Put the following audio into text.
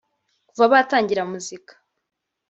Kuva batangira muzika